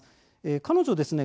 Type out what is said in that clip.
彼女ですね